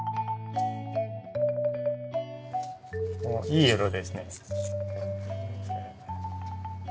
いい色ですね。